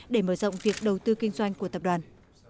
để mở rộng việc đầu tư kinh doanh của tập đoàn